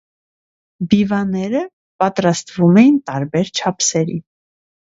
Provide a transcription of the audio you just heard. Բիվաները պատրաստվում էին տարբեր չափերի։